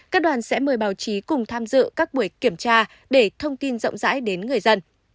các đoàn sẽ mời báo chí cùng tham dự các buổi kiểm tra để thông tin rộng rãi đến người dân